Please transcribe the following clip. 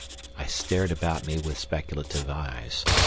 I stared about me with speculative eyes.